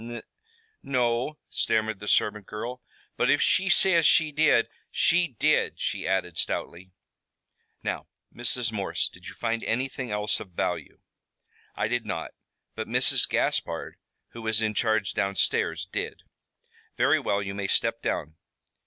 "N no," stammered the servant girl. "But if she says she did, she did," she added stoutly. "Now, Mrs. Morse, did you find anything else of value?" "I did not, but Mrs. Gaspard, who was in charge downstairs, did." "Very well, you may step down.